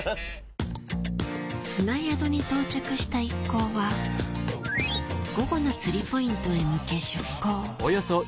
船宿に到着した一行は午後の釣りポイントへ向け出港